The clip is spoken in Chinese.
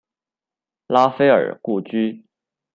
拉斐尔故居。